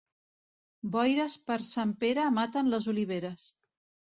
Boires per Sant Pere maten les oliveres.